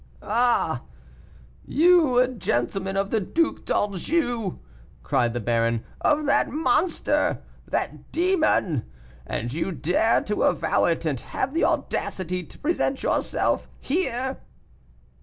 "Ah! you a gentleman of the Duc d'Anjou!" cried the baron, "of that monster, that demon, and you dare to avow it, and have the audacity to present yourself here!"